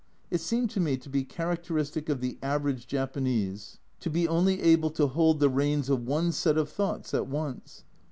It seemed to me to be characteristic of the average Japanese to be only able to hold the reins of one set of thoughts at once.